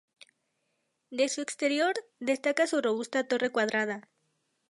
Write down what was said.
De su exterior, destaca su robusta torre cuadrada.